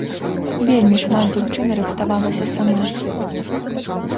Вельмі шмат дзяўчына рыхтавалася сама.